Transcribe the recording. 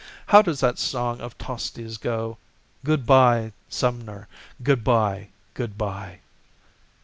How does that song of Tosti's go? "Good bye, Sumner, good bye, good bye."